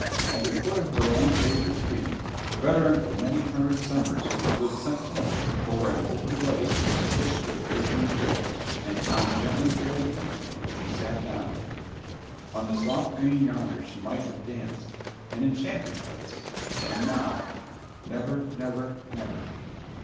At the foot of her own favourite tree, a veteran of many hundred summers who stood sentinel over an open glade that dipped to a gurgling brook and climbed gently away from it, she sat down. On the soft green yonder she might have danced, an enchanted place, and now never, never, never.